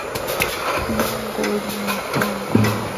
Mboga ni chungu.